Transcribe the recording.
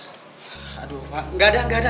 tidak ada tidak ada